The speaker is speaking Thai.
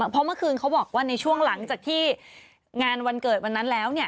เพราะเมื่อคืนเขาบอกว่าในช่วงหลังจากที่งานวันเกิดวันนั้นแล้วเนี่ย